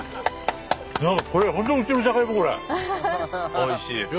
おいしいですよ。